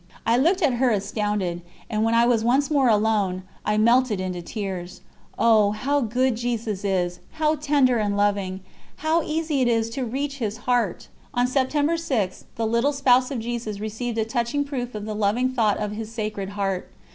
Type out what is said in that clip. I looked at her astounded, and when I was once more alone, I melted into tears. Oh! how good Jesus is! how tender and loving! How easy it is to reach His Heart!" ....... On September 6, the little Spouse of Jesus received a touching proof of the loving thought of His Sacred Heart.